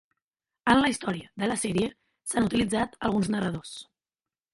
En la història de la sèrie s'han utilitzat alguns narradors.